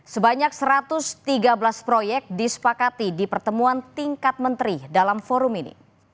sebanyak satu ratus tiga belas proyek disepakati di pertemuan tingkat menteri dalam forum ini